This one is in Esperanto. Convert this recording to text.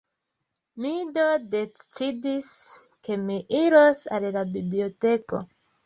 Mi do decidis, ke mi iros al la biblioteko.